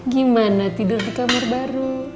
gimana tidur di kamar baru